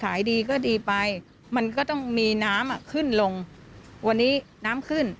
ขายดีก็ดีไปมันก็ต้องมีน้ำอ่ะขึ้นลงวันนี้น้ำขึ้น